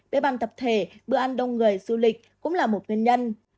bế bàn tập thể bữa ăn đông người du lịch cũng là một nguyên nhân